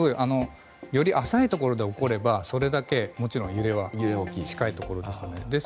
より浅いところで起こればそれだけ、もちろん揺れは近いところですので。